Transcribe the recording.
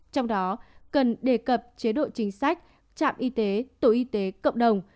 trong đó cần đề cập chế độ chính sách trạm y tế tổ y tế cộng đồng